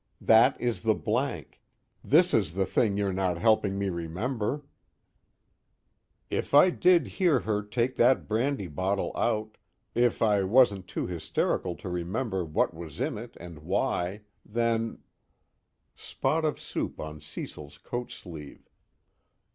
This is the Blank, this is the thing you're not helping me remember:_ If I did hear her take that brandy bottle out, if I wasn't too hysterical to remember what was in it and why, then (_Spot of soup on Cecil's coat sleeve.